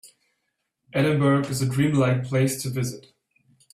Edinburgh is a dream-like place to visit.